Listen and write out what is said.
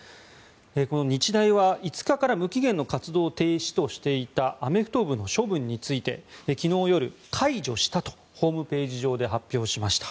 この日大は５日から無期限の活動停止としていたアメフト部の処分について昨日夜、解除したとホームページ上で発表しました。